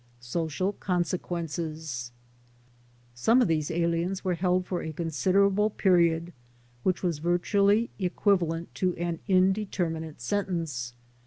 Social Consequences Some of these aliens were held for a considerable period, which was virtually equivalent to an indetermi nate sentence.